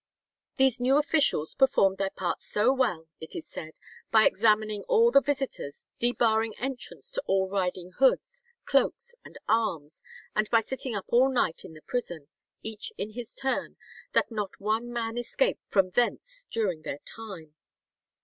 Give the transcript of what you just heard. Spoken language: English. These new officials "performed their part so well," it is said, "by examining all the visitors, debarring entrance to all riding hoods, cloaks, and arms, and by sitting up all night in the prison, each in his turn, that not one man escaped from thence during their time."